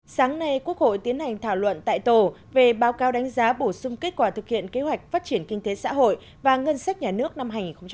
sáng nay quốc hội tiến hành thảo luận tại tổ về báo cáo đánh giá bổ sung kết quả thực hiện kế hoạch phát triển kinh tế xã hội và ngân sách nhà nước năm hai nghìn một mươi chín